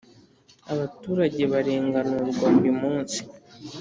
Abaturage barenganurwa burimunsi.